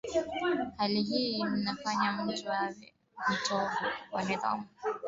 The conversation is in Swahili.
Hali hii humfanya mtu awe mtovu wa nidhamu au kufanya mambo